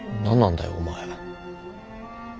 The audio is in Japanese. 何なんだよお前。